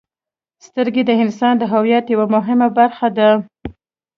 • سترګې د انسان د هویت یوه مهمه برخه ده.